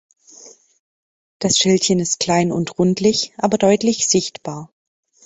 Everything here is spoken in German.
Das Schildchen ist klein und rundlich, aber deutlich sichtbar.